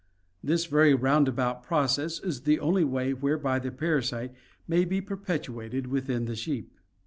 This very roundabout process is the only way whereby the parasite may be perpetuated within the sheep.